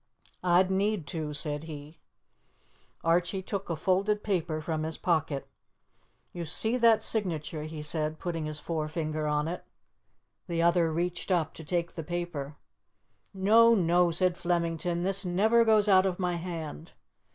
"A'd need to," said he. Archie took a folded paper from his pocket. "You see that signature," he said, putting his forefinger on it. The other reached up to take the paper. "No, no," said Flemington, "this never goes out of my hand."